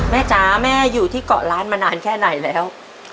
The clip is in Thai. จ๋าแม่อยู่ที่เกาะล้านมานานแค่ไหนแล้ว